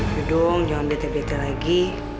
tidak jangan berdeter deter lagi